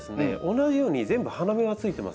同じように全部花芽がついてます。